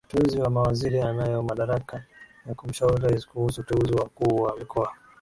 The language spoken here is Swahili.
uteuzi wa MawaziriAnayo madaraka ya kumshauri rais kuhusu uteuzi wa wakuu wa mikoa